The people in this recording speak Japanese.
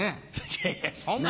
いやいやそんなこと。